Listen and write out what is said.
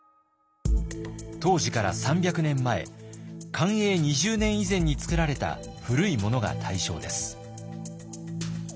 当時から３００年前寛永２０年以前に作られた古いものが対象です。